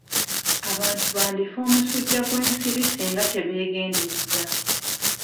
Abantu bandi fa omusujja gw'ensiri singa tebegendereza.